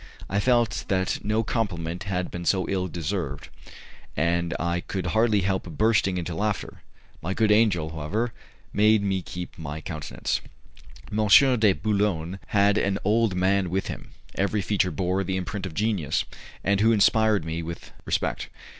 I felt that no compliment had been so ill deserved, and I could hardly help bursting into laughter. My good angel, however, made me keep my countenance. M. de Boulogne had an old man with him, every feature bore the imprint of genius, and who inspired me with respect.